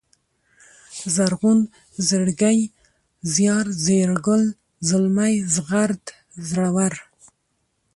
زرغون ، زړگی ، زيار ، زېړگل ، زلمی ، زغرد ، زړور